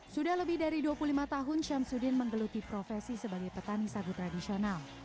sudah lebih dari dua puluh lima tahun syamsuddin menggeluti profesi sebagai petani sagu tradisional